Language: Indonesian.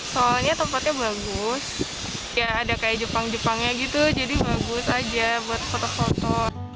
soalnya tempatnya bagus ya ada kayak jepang jepangnya gitu jadi bagus aja buat foto foto